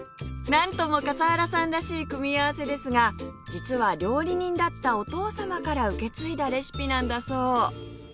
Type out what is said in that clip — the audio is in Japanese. なんとも笠原さんらしい組み合わせですが実は料理人だったお父様から受け継いだレシピなんだそう！